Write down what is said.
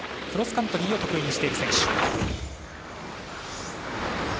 クロスカントリーを得意にしている選手。